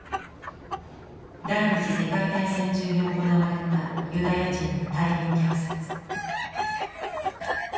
第２次大戦中に行われたユダヤ人の大量虐殺。